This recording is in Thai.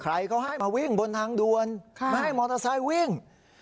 ใครเขาให้มาวิ่งบนทางด่วนไม่ให้มอเตอร์ไซค์วิ่ง